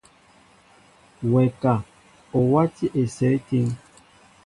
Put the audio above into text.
Wɛ ka, o wátī esew étíŋ ?